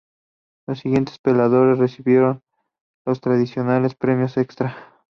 Los siguientes peleadores recibieron los tradicionales premios extra.